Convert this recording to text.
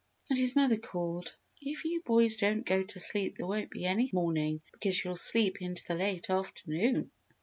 And his mother called, "If you boys don't go to sleep there won't be any morning, because you'll sleep into the late afternoon."